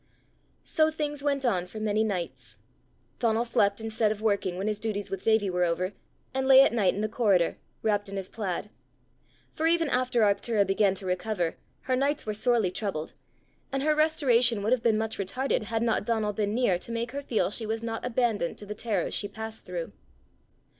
So things went on for many nights. Donal slept instead of working when his duties with Davie were over, and lay at night in the corridor, wrapt in his plaid. For even after Arctura began to recover, her nights were sorely troubled, and her restoration would have been much retarded, had not Donal been near to make her feel she was not abandoned to the terrors she passed through.